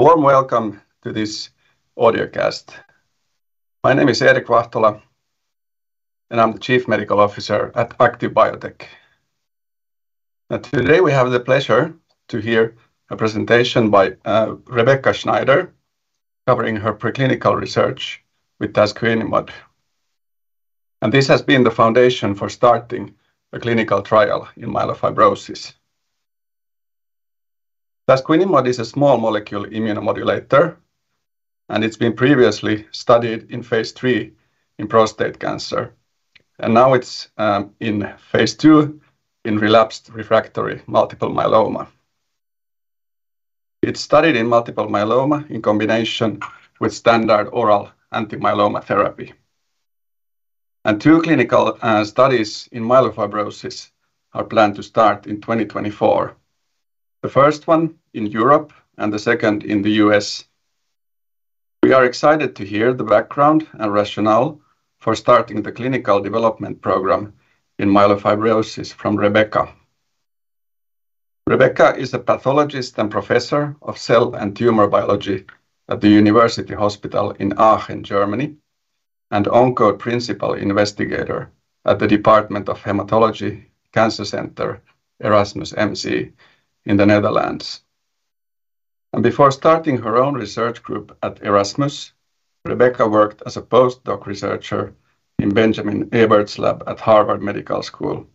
A warm welcome to this audio cast. My name is Erik Vahtola, and I'm the Chief Medical Officer at Active Biotech. Now, today we have the pleasure to hear a presentation by Rebekka Schneider, covering her preclinical research with tasquinimod. This has been the foundation for starting a clinical trial in myelofibrosis. Tasquinimod is a small molecule immunomodulator, and it's been previously studied in phase III in prostate cancer, and now it's in phase II in relapsed refractory multiple myeloma. It's studied in multiple myeloma in combination with standard oral anti-myeloma therapy. Two clinical studies in myelofibrosis are planned to start in 2024. The first one in Europe and the second in the U.S. We are excited to hear the background and rationale for starting the clinical development program in myelofibrosis from Rebekka. Rebekka is a Pathologist and Professor of Cell and Tumor Biology at the University Hospital in Aachen, Germany, and Oncode Principal Investigator at the Department of Hematology Cancer Center, Erasmus MC, in the Netherlands. Before starting her own research group at Erasmus, Rebekka worked as a postdoc researcher in Benjamin Ebert's lab at Harvard Medical School.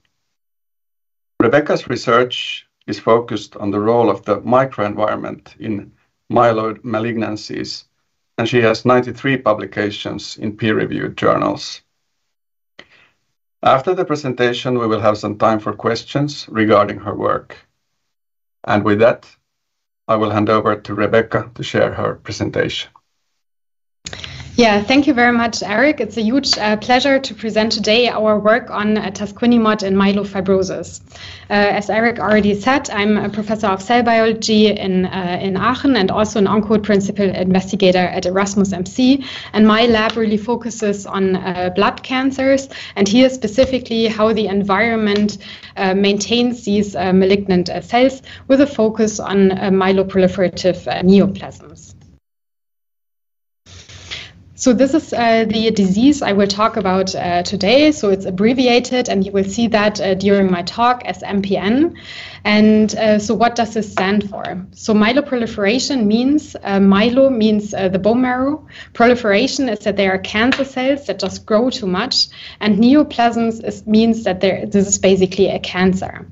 Rebekka's research is focused on the role of the microenvironment in myeloid malignancies, and she has 93 publications in peer-reviewed journals. After the presentation, we will have some time for questions regarding her work. With that, I will hand over to Rebekka to share her presentation. Yeah, thank you very much, Erik. It's a huge pleasure to present today our work on tasquinimod in myelofibrosis. As Erik already said, I'm a professor of cell biology in Aachen, and also an Oncode Principal Investigator at Erasmus MC, and my lab really focuses on blood cancers, and here, specifically, how the environment maintains these malignant cells with a focus on myeloproliferative neoplasms. This is the disease I will talk about today. It's abbreviated, and you will see that during my talk as MPN. And so what does this stand for? Myeloproliferation means myelo means the bone marrow. Proliferation is that there are cancer cells that just grow too much, and neoplasms means that this is basically a cancer.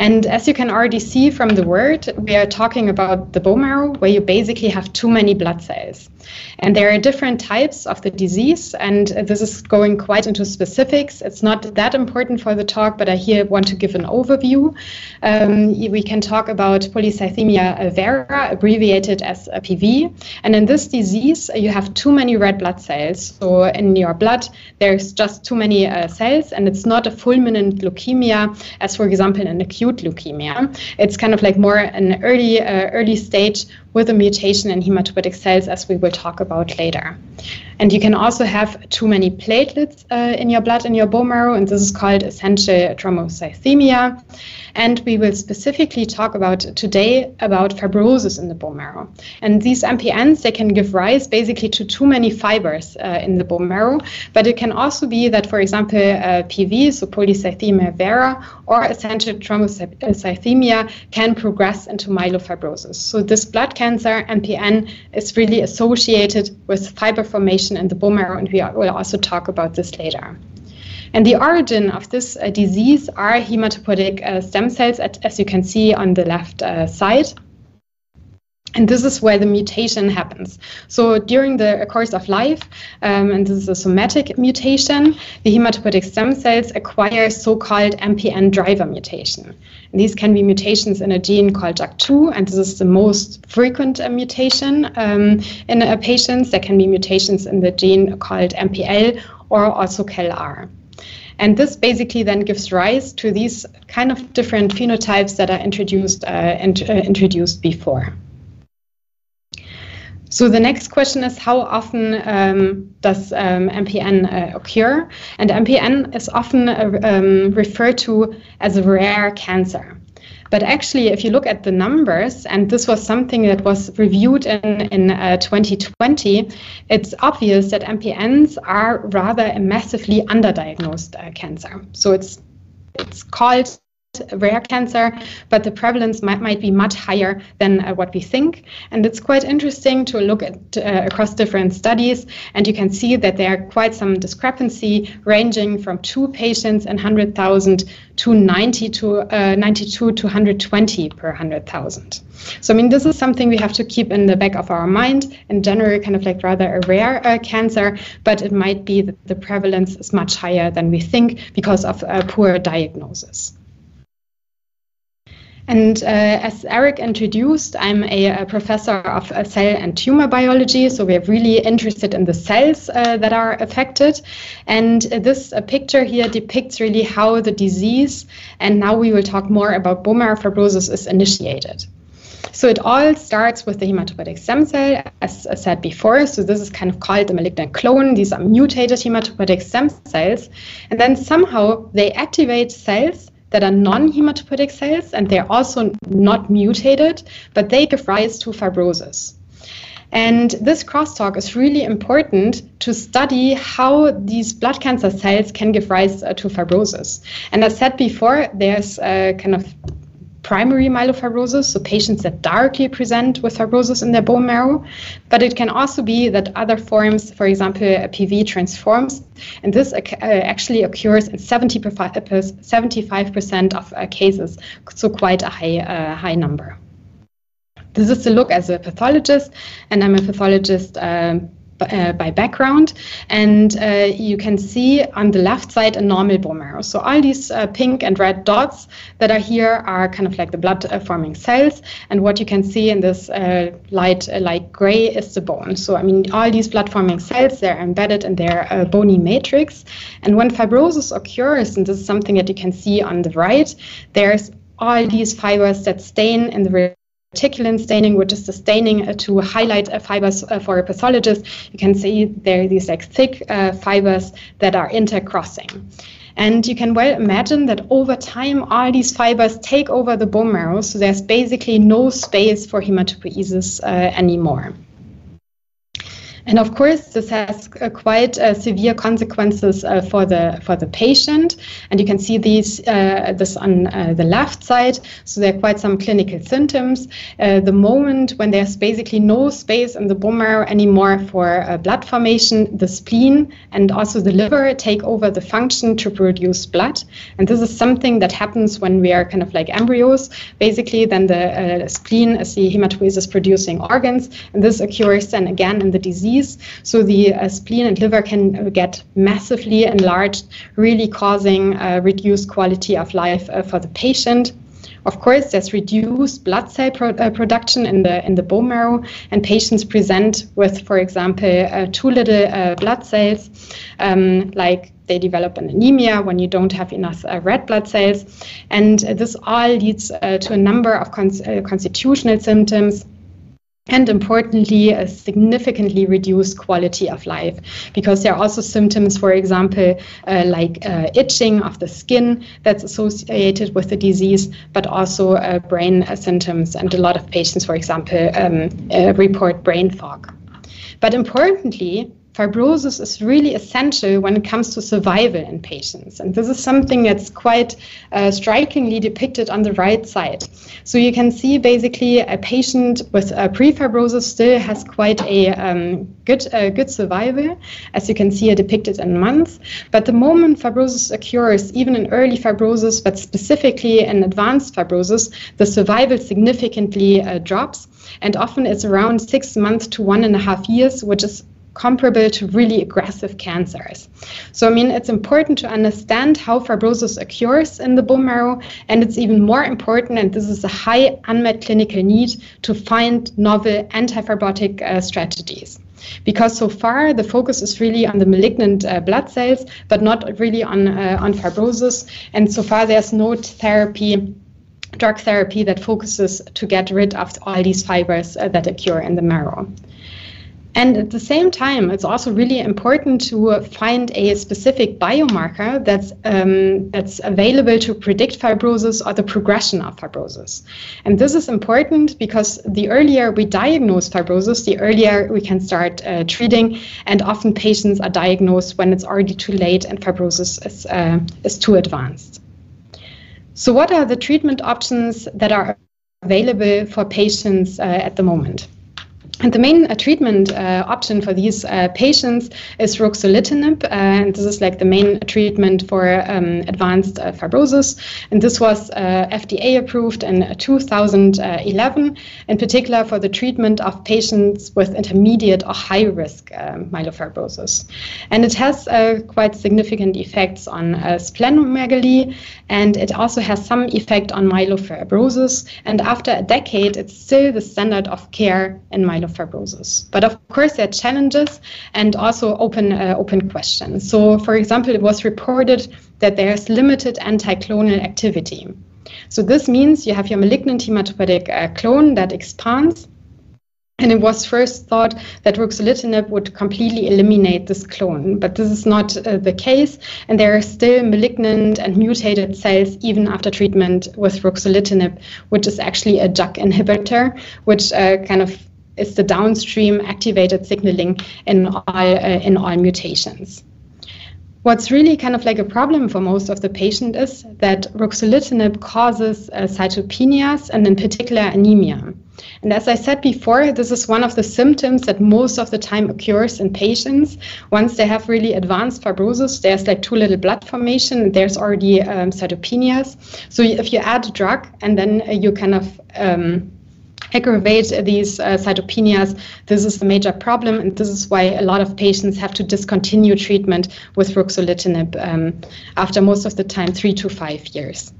As you can already see from the word, we are talking about the bone marrow, where you basically have too many blood cells. There are different types of the disease, and this is going quite into specifics. It's not that important for the talk, but I here want to give an overview. We can talk about polycythemia vera, abbreviated as PV, and in this disease, you have too many red blood cells. So in your blood, there's just too many cells, and it's not a fulminant leukemia, as, for example, in acute leukemia. It's kind of like more an early, early stage with a mutation in hematopoietic cells, as we will talk about later. And you can also have too many platelets in your blood, in your bone marrow, and this is called essential thrombocythemia. We will specifically talk about today about fibrosis in the bone marrow. These MPNs, they can give rise basically to too many fibers in the bone marrow. But it can also be that, for example, PV, so polycythemia vera or essential thrombocythemia, can progress into myelofibrosis. This blood cancer, MPN, is really associated with fiber formation in the bone marrow, and we will also talk about this later. The origin of this disease are hematopoietic stem cells, as you can see on the left side, and this is where the mutation happens. During the course of life, and this is a somatic mutation, the hematopoietic stem cells acquire so-called MPN driver mutation. These can be mutations in a gene called JAK2, and this is the most frequent mutation in a patient. There can be mutations in the gene called MPL or also CALR. This basically then gives rise to these kind of different phenotypes that are introduced before. The next question is, how often does MPN occur? MPN is often referred to as a rare cancer. But actually, if you look at the numbers, and this was something that was reviewed in 2020, it's obvious that MPNs are rather a massively underdiagnosed cancer. It's called rare cancer, but the prevalence might be much higher than what we think. It's quite interesting to look at across different studies, and you can see that there are quite some discrepancy, ranging from two patients per 100,000 to 92 to 120 per 100,000. So, I mean, this is something we have to keep in the back of our mind. In general, kind of like rather a rare cancer, but it might be that the prevalence is much higher than we think because of poor diagnosis. And, as Erik introduced, I'm a professor of cell and tumor biology, so we're really interested in the cells that are affected. And this picture here depicts really how the disease, and now we will talk more about bone marrow fibrosis, is initiated. So it all starts with the hematopoietic stem cell, as I said before. So this is kind of called the malignant clone. These are mutated hematopoietic stem cells, and then somehow they activate cells that are non-hematopoietic cells, and they're also not mutated, but they give rise to fibrosis. And-... This crosstalk is really important to study how these blood cancer cells can give rise to fibrosis. As said before, there's a kind of primary myelofibrosis, so patients that directly present with fibrosis in their bone marrow, but it can also be that other forms, for example, a PV transforms, and this actually occurs in 75% of cases, so quite a high number. This is the look as a pathologist, and I'm a pathologist by background. You can see on the left side a normal bone marrow. All these pink and red dots that are here are kind of like the blood-forming cells, and what you can see in this light gray is the bone. I mean, all these blood-forming cells, they're embedded in their bony matrix. When fibrosis occurs, and this is something that you can see on the right, there's all these fibers that stain in the reticulin staining, which is the staining to highlight fibers for a pathologist. You can see there are these, like, thick fibers that are intercrossing. You can well imagine that over time, all these fibers take over the bone marrow, so there's basically no space for hematopoiesis anymore. Of course, this has quite severe consequences for the patient, and you can see this on the left side. There are quite some clinical symptoms. The moment when there's basically no space in the bone marrow anymore for blood formation, the spleen and also the liver take over the function to produce blood, and this is something that happens when we are kind of like embryos. Basically, the spleen is the hematopoiesis-producing organs, and this occurs then again in the disease. So the spleen and liver can get massively enlarged, really causing reduced quality of life for the patient. Of course, there's reduced blood cell production in the bone marrow, and patients present with, for example, too little blood cells, like they develop anemia when you don't have enough red blood cells. This all leads to a number of constitutional symptoms, and importantly, a significantly reduced quality of life. Because there are also symptoms, for example, like, itching of the skin that's associated with the disease, but also, brain, symptoms. And a lot of patients, for example, report brain fog. But importantly, fibrosis is really essential when it comes to survival in patients, and this is something that's quite, strikingly depicted on the right side. So you can see basically a patient with, pre-fibrosis still has quite a, good, a good survival, as you can see, depicted in months. But the moment fibrosis occurs, even in early fibrosis, but specifically in advanced fibrosis, the survival significantly, drops, and often it's around six months to 1.5 years, which is comparable to really aggressive cancers. So, I mean, it's important to understand how fibrosis occurs in the bone marrow, and it's even more important, and this is a high unmet clinical need, to find novel anti-fibrotic strategies. Because so far, the focus is really on the malignant blood cells, but not really on fibrosis, and so far, there's no therapy, drug therapy that focuses to get rid of all these fibers that occur in the marrow. And at the same time, it's also really important to find a specific biomarker that's available to predict fibrosis or the progression of fibrosis. And this is important because the earlier we diagnose fibrosis, the earlier we can start treating, and often patients are diagnosed when it's already too late and fibrosis is too advanced. So what are the treatment options that are available for patients at the moment? And the main treatment option for these patients is ruxolitinib, and this is like the main treatment for advanced fibrosis, and this was FDA-approved in 2011, in particular, for the treatment of patients with intermediate or high risk myelofibrosis. And it has quite significant effects on splenomegaly, and it also has some effect on myelofibrosis, and after a decade, it's still the standard of care in myelofibrosis. But of course, there are challenges and also open questions. So for example, it was reported that there's limited anticlonal activity. So this means you have your malignant hematopoiesis clone that expands, and it was first thought that ruxolitinib would completely eliminate this clone, but this is not the case, and there are still malignant and mutated cells even after treatment with ruxolitinib, which is actually a JAK inhibitor, which kind of is the downstream activated signaling in all mutations. What's really kind of like a problem for most of the patients is that ruxolitinib causes cytopenias, and in particular, anemia. And as I said before, this is one of the symptoms that most of the time occurs in patients. Once they have really advanced fibrosis, there's like too little blood formation, there's already cytopenias. So if you add drug, and then you kind of, aggravate these, cytopenias, this is a major problem, and this is why a lot of patients have to discontinue treatment with ruxolitinib, after most of the time, three to five years.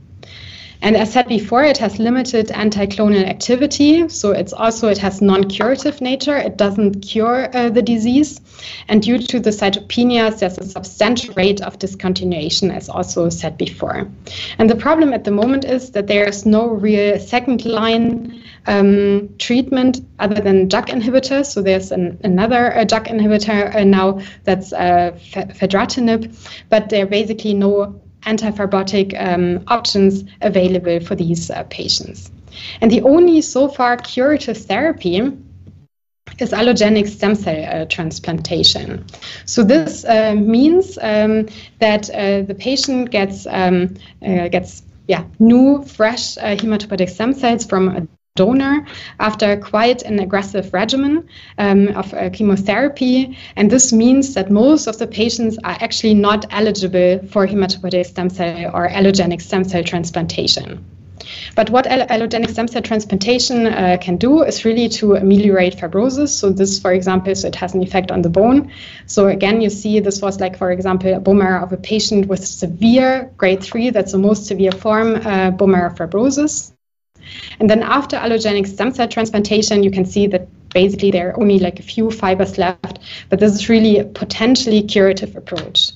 And as said before, it has limited anticlonal activity, so it also has non-curative nature. It doesn't cure, the disease, and due to the cytopenias, there's a substantial rate of discontinuation, as also said before. And the problem at the moment is that there is no real second-line, treatment other than JAK inhibitors, so there's another JAK inhibitor, now that's, fedratinib, but there are basically no anti-fibrotic, options available for these, patients. And the only so far curative therapy is allogeneic stem cell, transplantation. So this means that the patient gets, yeah, new, fresh, hematopoietic stem cells from a donor after quite an aggressive regimen of chemotherapy. And this means that most of the patients are actually not eligible for hematopoietic stem cell or allogeneic stem cell transplantation. But what allogeneic stem cell transplantation can do is really to ameliorate fibrosis. So this, for example, so it has an effect on the bone. So again, you see this was like, for example, a bone marrow of a patient with severe grade three, that's the most severe form, bone marrow fibrosis. And then after allogeneic stem cell transplantation, you can see that basically there are only, like, a few fibers left, but this is really a potentially curative approach.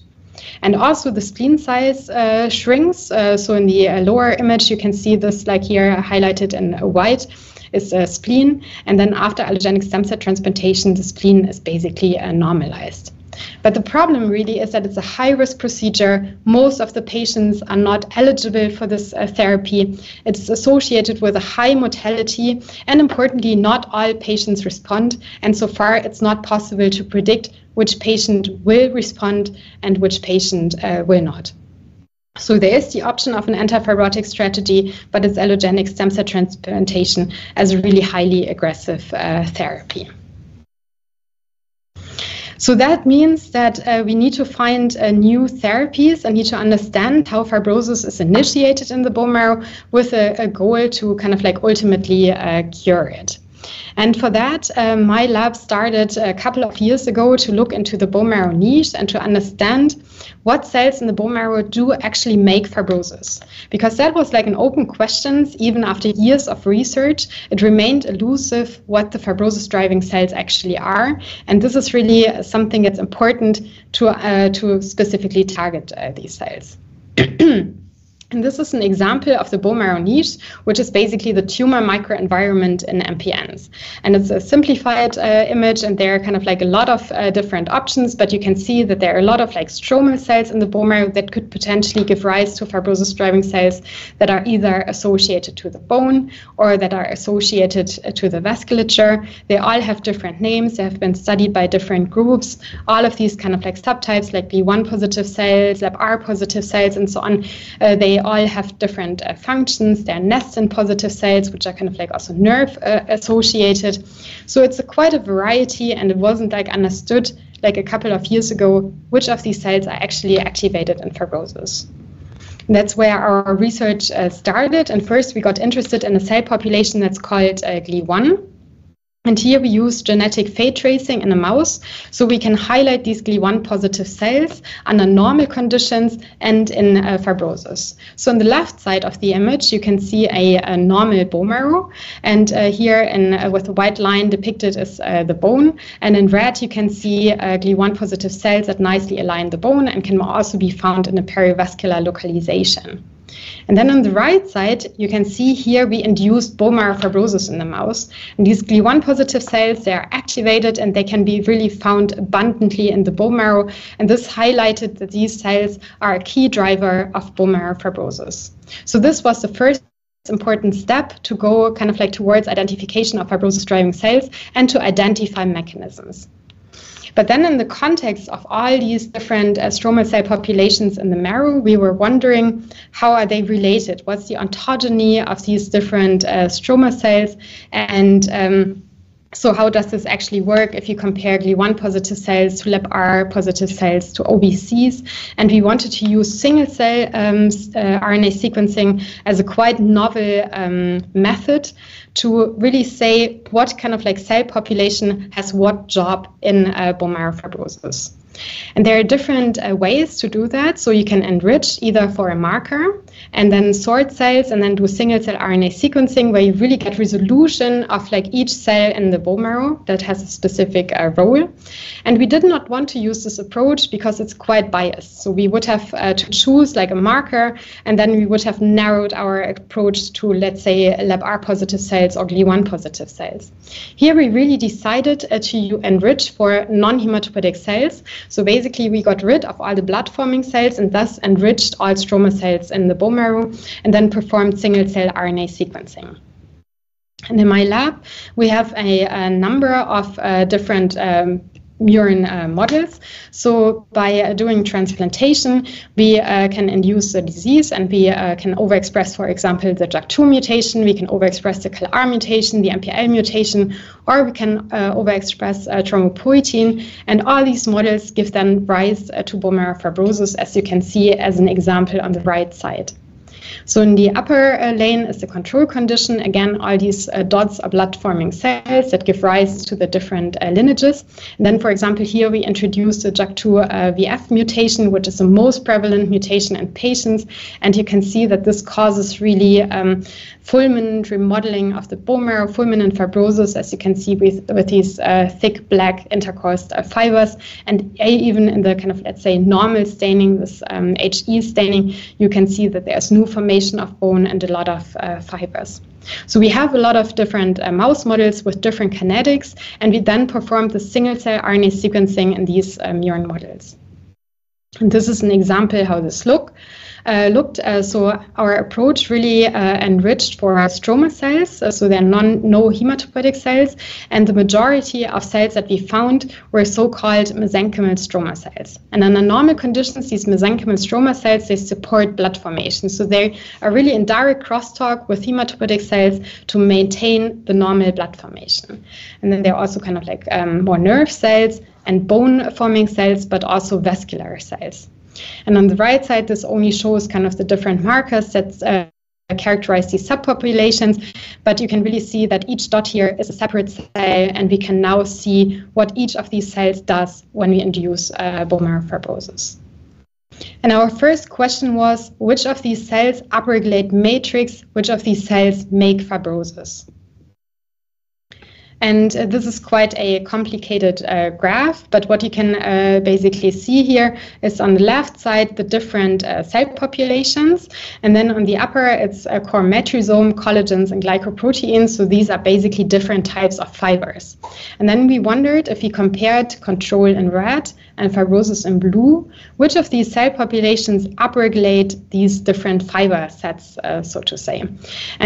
And also the spleen size shrinks. So in the lower image, you can see this, like here, highlighted in white, is a spleen. And then after allogeneic stem cell transplantation, the spleen is basically normalized. But the problem really is that it's a high-risk procedure. Most of the patients are not eligible for this therapy. It is associated with a high mortality, and importantly, not all patients respond, and so far, it's not possible to predict which patient will respond and which patient will not. So there is the option of an anti-fibrotic strategy, but it's allogeneic stem cell transplantation as a really highly aggressive therapy. So that means that we need to find new therapies and need to understand how fibrosis is initiated in the bone marrow with a goal to kind of like ultimately cure it. For that, my lab started a couple of years ago to look into the bone marrow niche and to understand what cells in the bone marrow do actually make fibrosis. Because that was like an open question, even after years of research, it remained elusive what the fibrosis-driving cells actually are, and this is really something that's important to to specifically target these cells. This is an example of the bone marrow niche, which is basically the tumor microenvironment in MPNs. It's a simplified image, and there are kind of like a lot of different options, but you can see that there are a lot of, like, stroma cells in the bone marrow that could potentially give rise to fibrosis-driving cells that are either associated to the bone or that are associated to the vasculature. They all have different names. They have been studied by different groups. All of these kind of like subtypes, like P1 positive cells, LepR+ cells, and so on, they all have different, functions. There are Nestin+ cells, which are kind of like also nerve, associated. So it's quite a variety, and it wasn't, like, understood, like, a couple of years ago, which of these cells are actually activated in fibrosis. That's where our research, started, and first we got interested in a cell population that's called, GLI1. And here we use genetic fate tracing in a mouse, so we can highlight these GLI1+ cells under normal conditions and in, fibrosis. So on the left side of the image, you can see a normal bone marrow, and here with a white line depicted as the bone, and in red, you can see GLI1+ cells that nicely align the bone and can also be found in a perivascular localization. Then on the right side, you can see here we induced bone marrow fibrosis in the mouse, and these GLI1+ cells, they are activated, and they can be really found abundantly in the bone marrow. This highlighted that these cells are a key driver of bone marrow fibrosis. So this was the first important step to go kind of like towards identification of fibrosis-driving cells and to identify mechanisms. But then in the context of all these different stromal cell populations in the marrow, we were wondering: How are they related? What's the ontogeny of these different stroma cells, and so how does this actually work if you compare GLI1+ cells to LepR+ cells to OVCs? And we wanted to use single-cell RNA sequencing as a quite novel method to really say what kind of, like, cell population has what job in bone marrow fibrosis. And there are different ways to do that, so you can enrich either for a marker and then sort cells and then do single-cell RNA sequencing, where you really get resolution of, like, each cell in the bone marrow that has a specific role. And we did not want to use this approach because it's quite biased. So we would have to choose, like, a marker, and then we would have narrowed our approach to, let's say, LepR+ cells or GLI1+ cells. Here, we really decided to enrich for non-hematopoietic cells. So basically, we got rid of all the blood-forming cells and thus enriched all stromal cells in the bone marrow and then performed single-cell RNA sequencing. And in my lab, we have a number of different murine models. So by doing transplantation, we can induce the disease, and we can overexpress, for example, the JAK2 mutation, we can overexpress the CALR mutation, the MPL mutation, or we can overexpress thrombopoietin. And all these models give then rise to bone marrow fibrosis, as you can see as an example on the right side. So in the upper lane is the control condition. Again, all these dots are blood-forming cells that give rise to the different lineages. Then, for example, here we introduce the JAK2 VF mutation, which is the most prevalent mutation in patients. And you can see that this causes really fulminant remodeling of the bone marrow, fulminant fibrosis, as you can see with these thick, black intercrossed fibers. And even in the kind of, let's say, normal staining, this HE staining, you can see that there's new formation of bone and a lot of fibers. So we have a lot of different mouse models with different kinetics, and we then perform the single-cell RNA sequencing in these murine models... And this is an example how this looked. So our approach really enriched for our stromal cells, so there are non-hematopoietic cells, and the majority of cells that we found were so-called mesenchymal stromal cells. Under normal conditions, these mesenchymal stromal cells, they support blood formation. So they are really in direct crosstalk with hematopoietic cells to maintain the normal blood formation. Then there are also kind of like more nerve cells and bone-forming cells, but also vascular cells. On the right side, this only shows kind of the different markers that characterize these subpopulations, but you can really see that each dot here is a separate cell, and we can now see what each of these cells does when we induce bone marrow fibrosis. Our first question was, which of these cells upregulate matrix? Which of these cells make fibrosis? This is quite a complicated graph, but what you can basically see here is on the left side, the different cell populations, and then on the upper, it's core matrisome, collagens, and glycoproteins, so these are basically different types of fibers. Then we wondered if we compared control in red and fibrosis in blue, which of these cell populations upregulate these different fiber sets, so to say?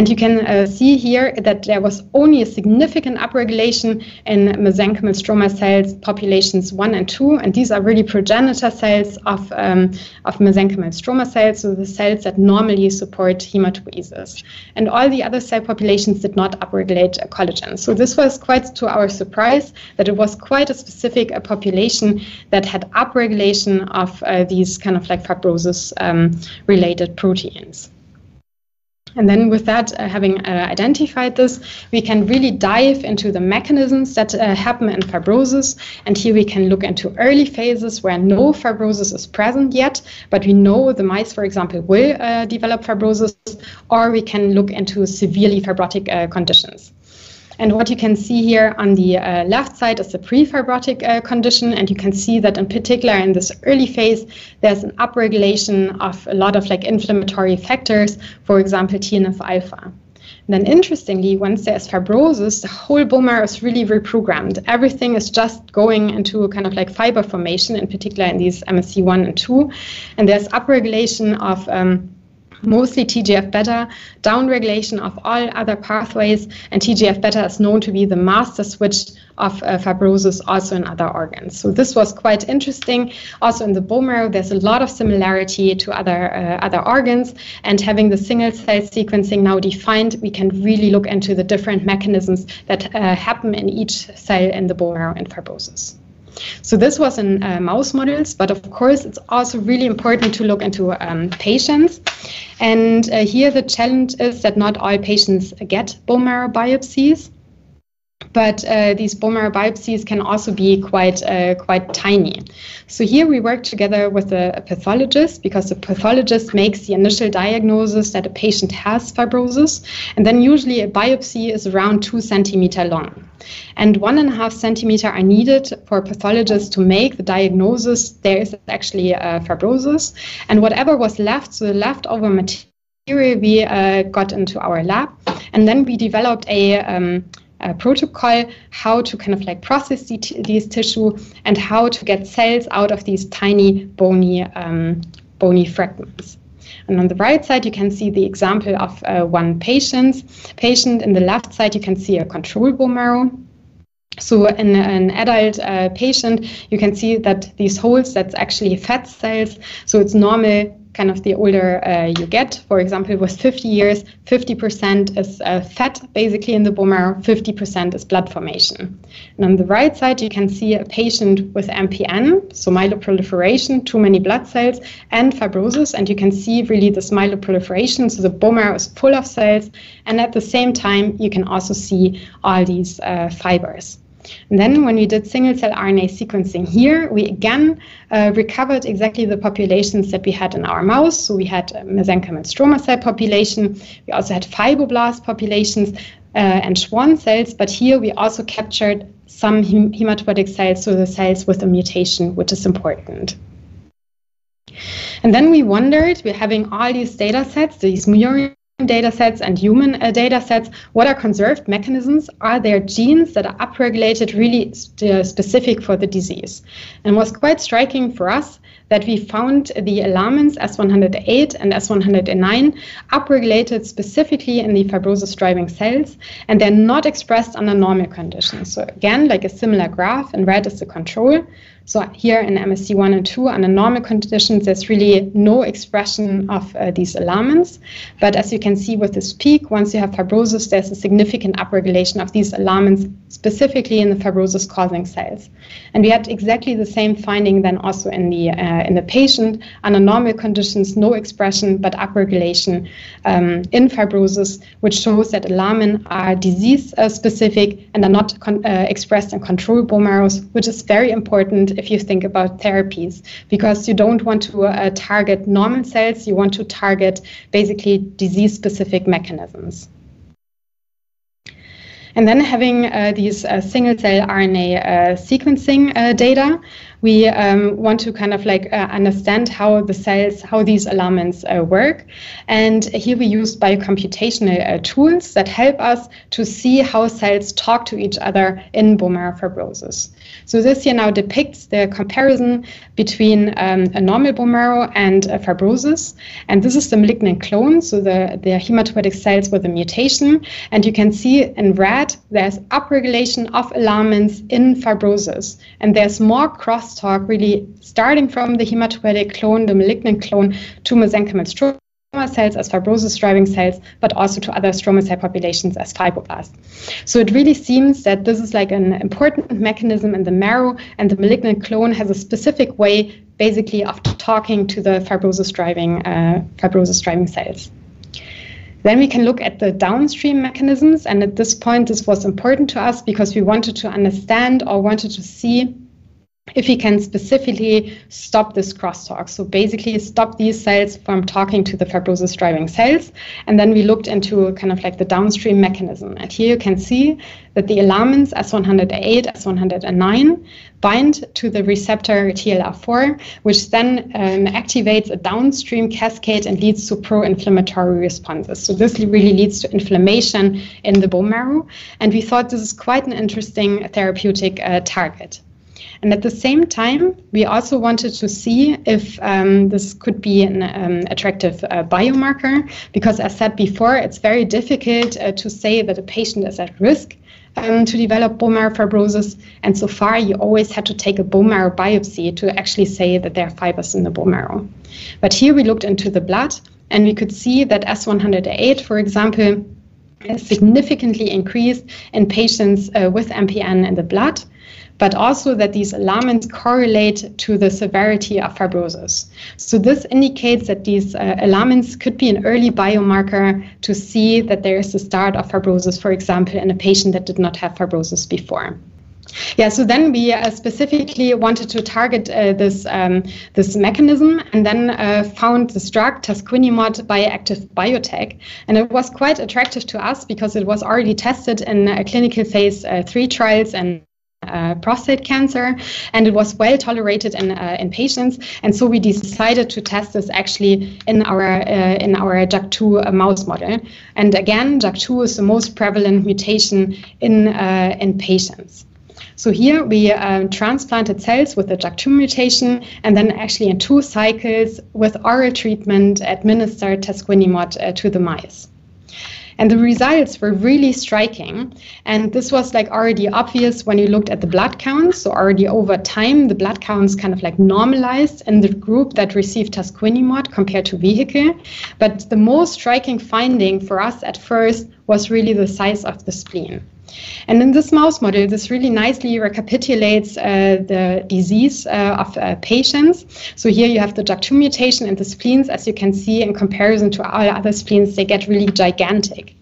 You can see here that there was only a significant upregulation in mesenchymal stromal cells, populations one and two, and these are really progenitor cells of mesenchymal stromal cells, so the cells that normally support hematopoiesis. All the other cell populations did not upregulate collagen. So this was quite to our surprise, that it was quite a specific population that had upregulation of, these kind of like fibrosis, related proteins. And then with that, having, identified this, we can really dive into the mechanisms that, happen in fibrosis. And here we can look into early phases where no fibrosis is present yet, but we know the mice, for example, will, develop fibrosis, or we can look into severely fibrotic, conditions. And what you can see here on the, left side is the pre-fibrotic, condition, and you can see that in particular, in this early phase, there's an upregulation of a lot of, like, inflammatory factors, for example, TNF-alpha. Then interestingly, once there's fibrosis, the whole bone marrow is really reprogrammed. Everything is just going into a kind of like fiber formation, in particular in these MSC one and two, and there's upregulation of mostly TGF-beta, downregulation of all other pathways, and TGF-beta is known to be the master switch of fibrosis also in other organs. So this was quite interesting. Also, in the bone marrow, there's a lot of similarity to other organs, and having the single-cell sequencing now defined, we can really look into the different mechanisms that happen in each cell in the bone marrow and fibrosis. So this was in mouse models, but of course, it's also really important to look into patients. And here the challenge is that not all patients get bone marrow biopsies, but these bone marrow biopsies can also be quite tiny. So here we work together with a pathologist, because the pathologist makes the initial diagnosis that a patient has fibrosis, and then usually a biopsy is around 2 cm long. And 1.5 cm are needed for a pathologist to make the diagnosis there is actually fibrosis. And whatever was left, so the leftover material, we got into our lab, and then we developed a protocol how to kind of like process these tissues and how to get cells out of these tiny, bony fragments. And on the right side, you can see the example of one patient. In the left side, you can see a controlled bone marrow. So in an adult patient, you can see that these holes, that's actually fat cells. So it's normal, kind of the older you get. For example, it was 50 years, 50% is fat, basically, in the bone marrow, 50% is blood formation. And on the right side, you can see a patient with MPN, so myeloproliferation, too many blood cells, and fibrosis, and you can see really this myeloproliferation, so the bone marrow is full of cells, and at the same time, you can also see all these fibers. Then, when we did single-cell RNA sequencing here, we again recovered exactly the populations that we had in our mouse. So we had mesenchymal and stroma cell population. We also had fibroblast populations and Schwann cells, but here we also captured some hematopoietic cells, so the cells with the mutation, which is important. And then we wondered, we're having all these data sets, these murine data sets and human data sets, what are conserved mechanisms? Are there genes that are upregulated really specific for the disease? And what's quite striking for us, that we found the alarmins S100A8 and S100A9 upregulated specifically in the fibrosis-driving cells, and they're not expressed under normal conditions. So again, like a similar graph, and red is the control. So here in MSC one and two, under normal conditions, there's really no expression of these alarmins. But as you can see with this peak, once you have fibrosis, there's a significant upregulation of these alarmins, specifically in the fibrosis-causing cells. And we had exactly the same finding then also in the patient. Under normal conditions, no expression, but upregulation in fibrosis, which shows that alarmins are disease-specific and are not co-expressed in control bone marrows, which is very important if you think about therapies, because you don't want to target normal cells, you want to target basically disease-specific mechanisms. Then having these single-cell RNA sequencing data, we want to kind of like understand how the cells, how these alarmins work. And here we use biocomputational tools that help us to see how cells talk to each other in bone marrow fibrosis. So this here now depicts the comparison between a normal bone marrow and a fibrosis, and this is the malignant clone, so the hematopoietic cells with a mutation. You can see in red, there's upregulation of alarmins in fibrosis, and there's more crosstalk really starting from the hematopoietic clone, the malignant clone, to mesenchymal stromal cells as fibrosis-driving cells, but also to other stromal cell populations as fibroblasts. It really seems that this is, like, an important mechanism in the marrow, and the malignant clone has a specific way, basically, of talking to the fibrosis-driving, fibrosis-driving cells. We can look at the downstream mechanisms, and at this point, this was important to us because we wanted to understand or wanted to see if we can specifically stop this crosstalk. Basically, stop these cells from talking to the fibrosis-driving cells, and then we looked into kind of like the downstream mechanism. Here you can see that the alarmins S100A8, S100A9, bind to the receptor TLR4, which then activates a downstream cascade and leads to pro-inflammatory responses. So this really leads to inflammation in the bone marrow, and we thought this is quite an interesting therapeutic target. At the same time, we also wanted to see if this could be an attractive biomarker, because as said before, it's very difficult to say that a patient is at risk to develop bone marrow fibrosis. So far, you always had to take a bone marrow biopsy to actually say that there are fibers in the bone marrow. But here we looked into the blood, and we could see that S100A8, for example, is significantly increased in patients with MPN in the blood, but also that these alarmins correlate to the severity of fibrosis. So this indicates that these alarmins could be an early biomarker to see that there is a start of fibrosis, for example, in a patient that did not have fibrosis before. Yeah, so then we specifically wanted to target this mechanism, and then found this drug, tasquinimod, by Active Biotech. And it was quite attractive to us because it was already tested in clinical phase three trials in prostate cancer, and it was well-tolerated in patients. And so we decided to test this actually in our JAK2 mouse model. And again, JAK2 is the most prevalent mutation in patients. So here we transplanted cells with a JAK2 mutation, and then actually in two cycles with our treatment, administered tasquinimod to the mice. The results were really striking, and this was, like, already obvious when you looked at the blood counts. Already over time, the blood counts kind of like normalized in the group that received tasquinimod compared to vehicle. The most striking finding for us at first was really the size of the spleen. In this mouse model, this really nicely recapitulates the disease of patients. Here you have the JAK2 mutation in the spleens. As you can see, in comparison to all other spleens, they get really gigantic.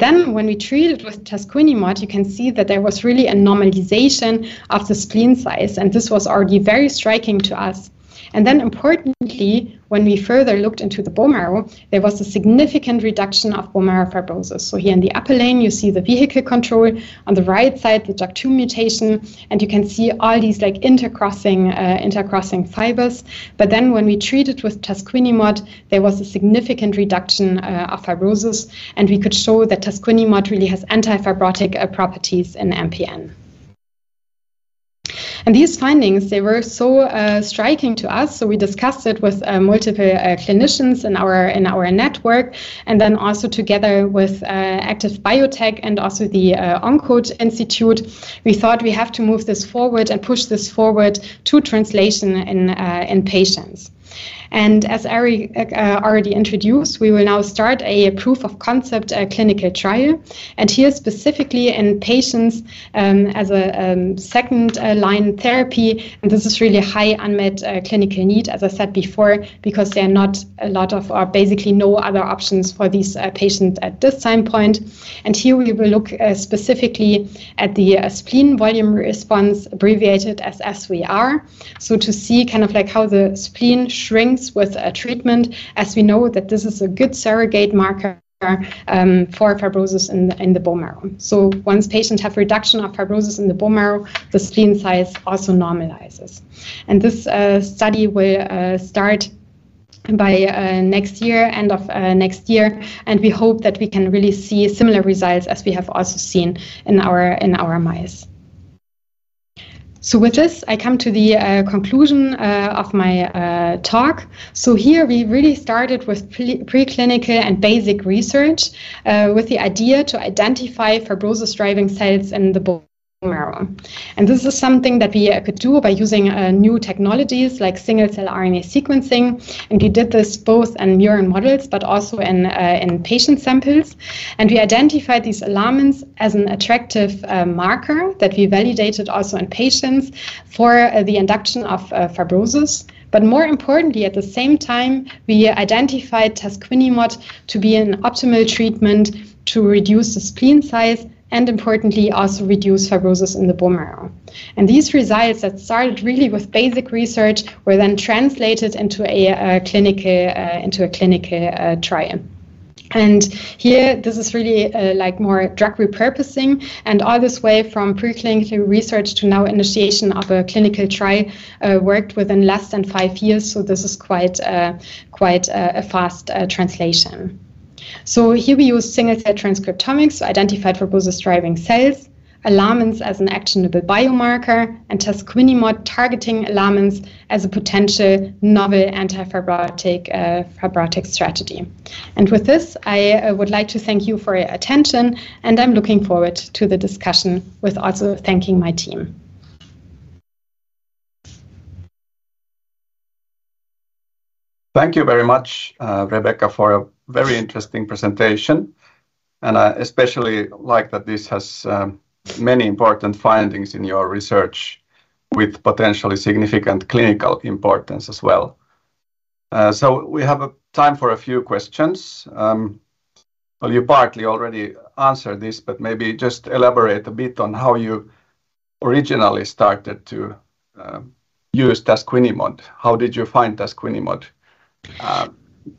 Then, when we treated with tasquinimod, you can see that there was really a normalization of the spleen size, and this was already very striking to us. Then importantly, when we further looked into the bone marrow, there was a significant reduction of bone marrow fibrosis. So here in the upper lane, you see the vehicle control, on the right side, the JAK2 mutation, and you can see all these like intercrossing, intercrossing fibers. But then when we treated with tasquinimod, there was a significant reduction of fibrosis, and we could show that tasquinimod really has anti-fibrotic properties in MPN. And these findings, they were so striking to us, so we discussed it with multiple clinicians in our network, and then also together with Active Biotech and also the Oncode Institute. We thought we have to move this forward and push this forward to translation in patients. And as Erik already introduced, we will now start a proof of concept clinical trial, and here specifically in patients, as a second line therapy. This is really a high unmet clinical need, as I said before, because there are not a lot of, or basically no other options for these patients at this time point. Here we will look specifically at the Spleen Volume Response, abbreviated as SVR. To see kind of like how the spleen shrinks with a treatment, as we know that this is a good surrogate marker for fibrosis in the bone marrow. Once patients have reduction of fibrosis in the bone marrow, the spleen size also normalizes. This study will start by next year, end of next year, and we hope that we can really see similar results as we have also seen in our mice. With this, I come to the conclusion of my talk. So here we really started with preclinical and basic research, with the idea to identify fibrosis-driving cells in the bone marrow. This is something that we could do by using new technologies like single-cell RNA sequencing, and we did this both in murine models but also in patient samples. We identified these alarmins as an attractive marker that we validated also in patients for the induction of fibrosis. But more importantly, at the same time, we identified tasquinimod to be an optimal treatment to reduce the spleen size and importantly, also reduce fibrosis in the bone marrow... and these results that started really with basic research were then translated into a clinical trial. And here, this is really, like more drug repurposing, and all this way from pre-clinical research to now initiation of a clinical trial, worked within less than five years, so this is quite, quite a fast translation. So here we use single-cell transcriptomics, identified fibrosis-driving cells, alarmins as an actionable biomarker, and tasquinimod targeting alarmins as a potential novel anti-fibrotic, fibrotic strategy. And with this, I would like to thank you for your attention, and I'm looking forward to the discussion with also thanking my team. Thank you very much, Rebekka, for a very interesting presentation. I especially like that this has many important findings in your research with potentially significant clinical importance as well. We have a time for a few questions. Well, you partly already answered this, but maybe just elaborate a bit on how you originally started to use tasquinimod. How did you find tasquinimod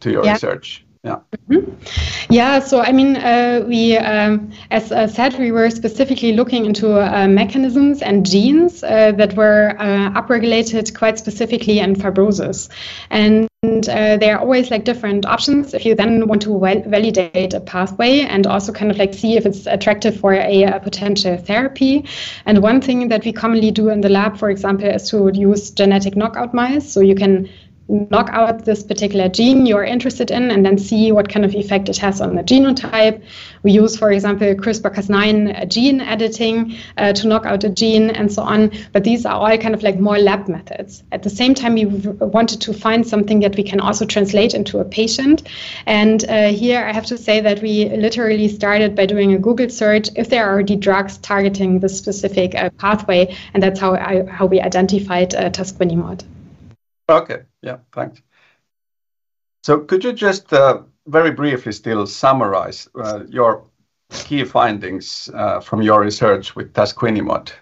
to your research? Yeah. Yeah. Mm-hmm. Yeah, so I mean, we, as I said, we were specifically looking into, mechanisms and genes, that were, upregulated quite specifically in fibrosis. And, there are always, like, different options if you then want to validate a pathway and also kind of like see if it's attractive for a, potential therapy. And one thing that we commonly do in the lab, for example, is we would use genetic knockout mice. So you can knock out this particular gene you're interested in and then see what kind of effect it has on the genotype. We use, for example, CRISPR-Cas9 gene editing, to knock out a gene, and so on, but these are all kind of, like, more lab methods. At the same time, we wanted to find something that we can also translate into a patient, and, here I have to say that we literally started by doing a Google search if there are already drugs targeting this specific pathway, and that's how we identified tasquinimod. Okay. Yeah, thanks. So could you just, very briefly still summarize, your key findings, from your research with tasquinimod?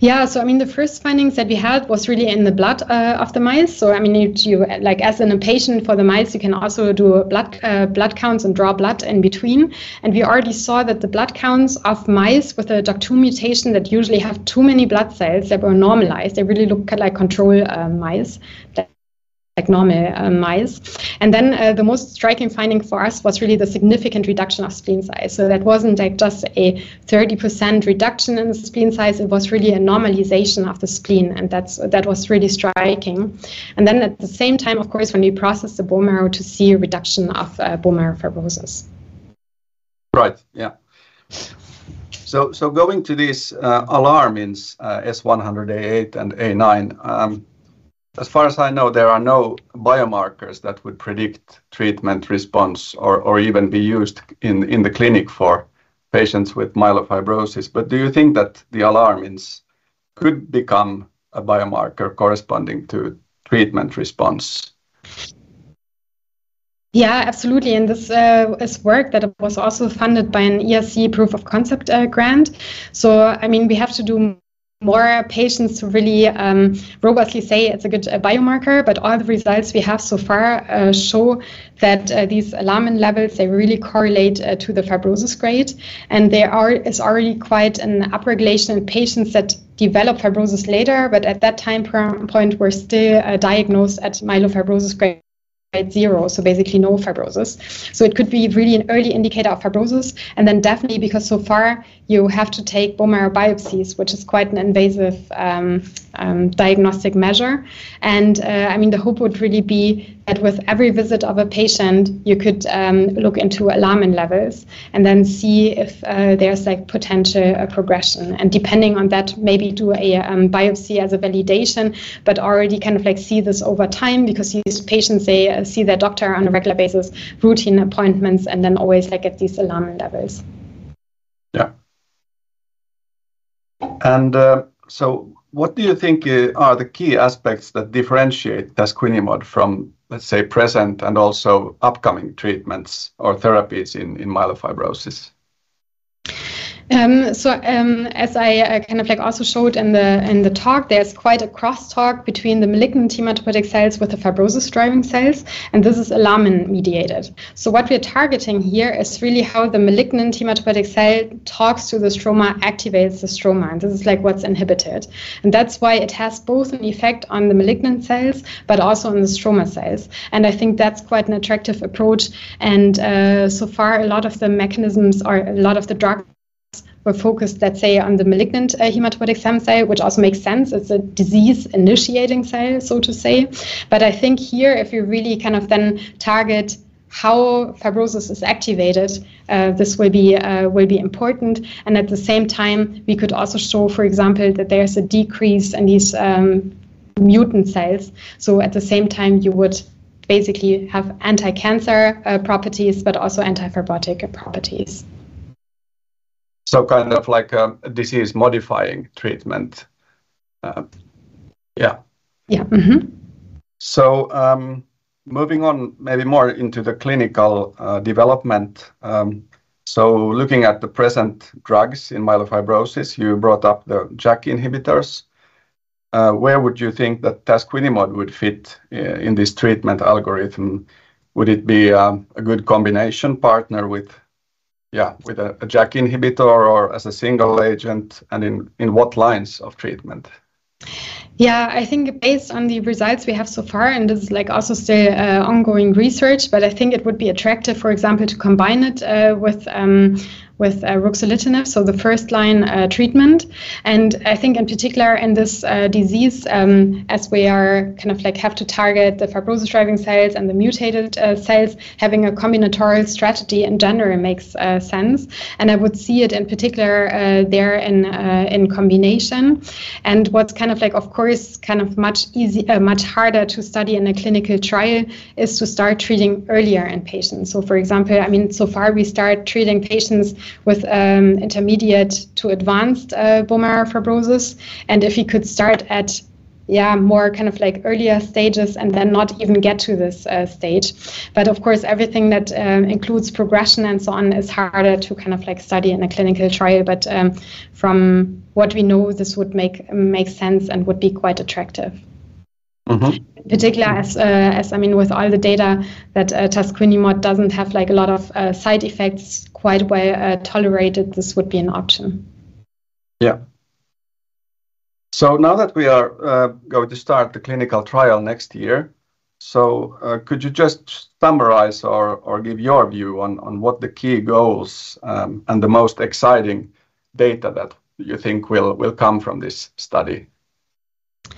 Yeah. So I mean, the first findings that we had was really in the blood of the mice. So I mean, if you like, as in a patient, for the mice, you can also do a blood counts and draw blood in between. And we already saw that the blood counts of mice with a JAK2 mutation that usually have too many blood cells, they were normalized. They really looked like control mice, like normal mice. And then the most striking finding for us was really the significant reduction of spleen size. So that wasn't like just a 30% reduction in the spleen size, it was really a normalization of the spleen, and that's that was really striking. And then at the same time, of course, when we processed the bone marrow to see a reduction of bone marrow fibrosis. Right. Yeah. So, going to these, alarmins, S100A8 and A9, as far as I know, there are no biomarkers that would predict treatment response or, or even be used in, in the clinic for patients with myelofibrosis. But do you think that the alarmins could become a biomarker corresponding to treatment response? Yeah, absolutely. And this is work that was also funded by an ERC Proof of Concept grant. So, I mean, we have to do more patients to really robustly say it's a good biomarker, but all the results we have so far show that these alarmin levels really correlate to the fibrosis grade. And there is already quite an upregulation in patients that develop fibrosis later, but at that time point, they were still diagnosed at myelofibrosis grade zero, so basically no fibrosis. So it could be really an early indicator of fibrosis, and then definitely because so far you have to take bone marrow biopsies, which is quite an invasive diagnostic measure. I mean, the hope would really be that with every visit of a patient, you could look into alarmin levels and then see if there's, like, potential progression, and depending on that, maybe do a biopsy as a validation. But already kind of like see this over time because these patients, they see their doctor on a regular basis, routine appointments, and then always, like, get these alarmin levels. Yeah. And, so what do you think, are the key aspects that differentiate tasquinimod from, let's say, present and also upcoming treatments or therapies in, in myelofibrosis? So, as I kind of like also showed in the talk, there's quite a crosstalk between the malignant hematopoietic cells with the fibrosis-driving cells, and this is alarmin-mediated. So what we're targeting here is really how the malignant hematopoietic cell talks to the stroma, activates the stroma, and this is like what's inhibited, and that's why it has both an effect on the malignant cells but also on the stroma cells, and I think that's quite an attractive approach. And so far, a lot of the mechanisms or a lot of the drugs were focused, let's say, on the malignant hematopoietic stem cell, which also makes sense. It's a disease-initiating cell, so to say. But I think here, if you really kind of then target how fibrosis is activated, this will be, will be important, and at the same time, we could also show, for example, that there's a decrease in these mutant cells. So at the same time, you would basically have anti-cancer properties, but also anti-fibrotic properties. So, kind of like a disease-modifying treatment? Yeah. Yeah. Mm-hmm. Moving on maybe more into the clinical development. Looking at the present drugs in myelofibrosis, you brought up the JAK inhibitors. Where would you think that tasquinimod would fit in this treatment algorithm? Would it be a good combination partner with, yeah, with a JAK inhibitor or as a single agent, and in what lines of treatment? Yeah, I think based on the results we have so far, and this is, like, also still ongoing research, but I think it would be attractive, for example, to combine it with ruxolitinib, so the first-line treatment. And I think in particular in this disease, as we are kind of like have to target the fibrosis-driving cells and the mutated cells, having a combinatorial strategy in general makes sense, and I would see it in particular there in combination. And what's kind of like, of course, kind of much harder to study in a clinical trial is to start treating earlier in patients. So, for example, I mean, so far, we start treating patients with intermediate to advanced bone marrow fibrosis, and if we could start at, yeah, more kind of like earlier stages and then not even get to this stage. But of course, everything that includes progression and so on is harder to kind of like study in a clinical trial, but from what we know, this would make sense and would be quite attractive. Mm-hmm. In particular, as I mean, with all the data that tasquinimod doesn't have, like, a lot of side effects, quite well tolerated, this would be an option. Yeah. So now that we are going to start the clinical trial next year, could you just summarize or give your view on what the key goals and the most exciting data that you think will come from this study? Yeah.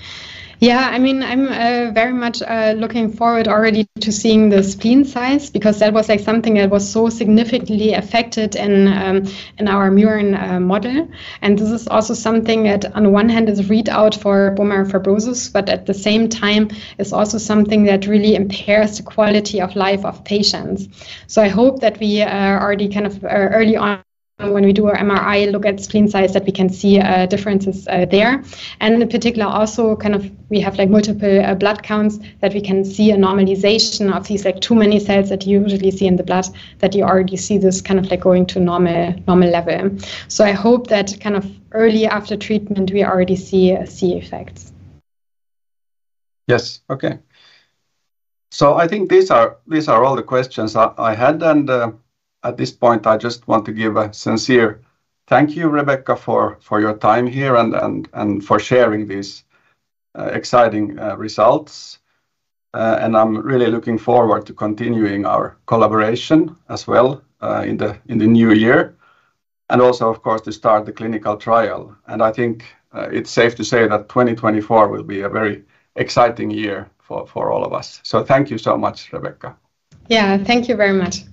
I mean, I'm very much looking forward already to seeing the spleen size, because that was, like, something that was so significantly affected in our murine model. And this is also something that on one hand is read out for bone marrow fibrosis, but at the same time, it's also something that really impairs the quality of life of patients. So I hope that we are already kind of early on, when we do our MRI, look at spleen size, that we can see differences there. And in particular, also, kind of we have, like, multiple blood counts that we can see a normalization of these, like, too many cells that you usually see in the blood, that you already see this kind of, like, going to normal, normal level. So I hope that kind of early after treatment, we already see effects. Yes. Okay. So I think these are all the questions I had, and at this point I just want to give a sincere thank you, Rebekka, for your time here and for sharing these exciting results. And I'm really looking forward to continuing our collaboration as well, in the new year, and also, of course, to start the clinical trial, and I think it's safe to say that 2024 will be a very exciting year for all of us. So thank you so much, Rebekka. Yeah, thank you very much.